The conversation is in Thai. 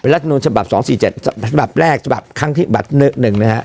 รัฐมนูลฉบับ๒๔๗ฉบับแรกฉบับครั้งที่บัตร๑นะฮะ